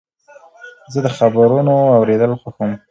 زه د خبرونو اورېدل خوښوم.